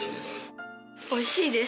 おいしいです。